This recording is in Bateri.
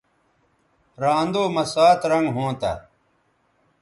رھاندو مہ سات رنگ ھونتہ